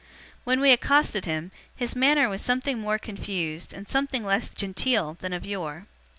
When we accosted him, his manner was something more confused, and something less genteel, than of yore.